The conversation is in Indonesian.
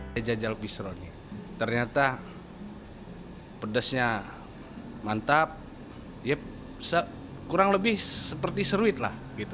jajal jajal bistro ini ternyata pedasnya mantap kurang lebih seperti seruit lah